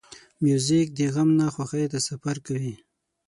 موزیک د غم نه خوښۍ ته سفر کوي.